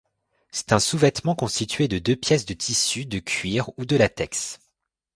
C'est un sous-vêtement constitué de deux pièces de tissu, de cuir ou de latex.